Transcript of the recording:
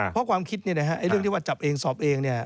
เพราะความคิดเรื่องที่ว่าจับเองสอบเองเนี่ย